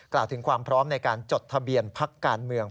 กล่าวถึงความพร้อมในการจดทะเบียนพักการเมือง